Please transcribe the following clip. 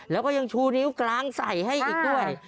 แล้วก็ยังชูนิ้วกลางใส่ให้อีกด้วย